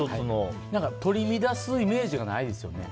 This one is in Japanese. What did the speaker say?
取り乱すイメージがないですよね。